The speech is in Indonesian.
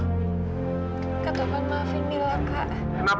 kak tovan maafin mila kak